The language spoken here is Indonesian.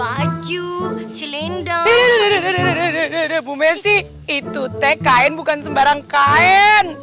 aku akan menganggap